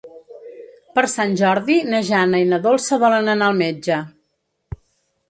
Per Sant Jordi na Jana i na Dolça volen anar al metge.